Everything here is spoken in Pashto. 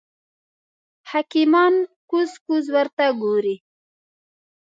حکیمان کوز کوز ورته ګوري.